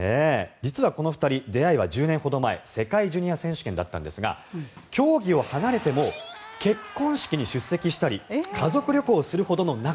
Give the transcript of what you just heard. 実はこの２人出会いは１０年ほど前の世界ジュニア選手権なんですが競技を離れても結婚式に出席したり家族旅行をするほどの仲。